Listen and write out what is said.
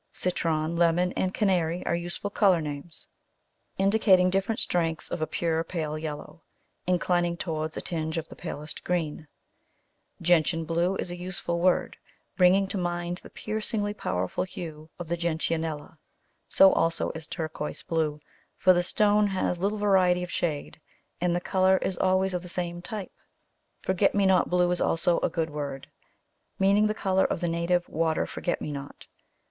Citron, lemon, and canary are useful colour names, indicating different strengths of pure pale yellow, inclining towards a tinge of the palest green. Gentian blue is a useful word, bringing to mind the piercingly powerful hue of the Gentianella. So also is turquoise blue, for the stone has little variety of shade, and the colour is always of the same type. Forget me not blue is also a good word, meaning the colour of the native water Forget me not.